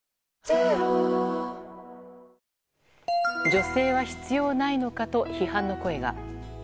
女性は必要ないのかと批判の声が。